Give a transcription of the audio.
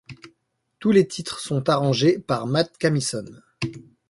Tous les titres sont arrangés par Mat Camison.